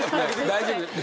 大丈夫。